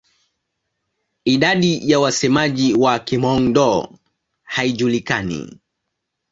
Idadi ya wasemaji wa Kihmong-Dô haijulikani.